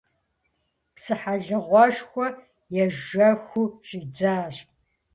Псыхьэлыгъуэшхуэ ежэхыу щӏидзащ.